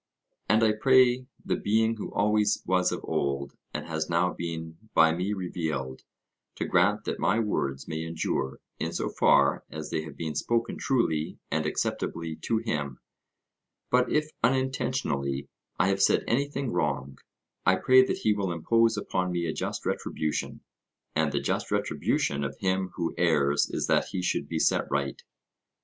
And I pray the being who always was of old, and has now been by me revealed, to grant that my words may endure in so far as they have been spoken truly and acceptably to him; but if unintentionally I have said anything wrong, I pray that he will impose upon me a just retribution, and the just retribution of him who errs is that he should be set right.